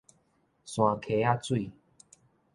山溪仔水